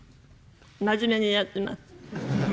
真面目にやってます。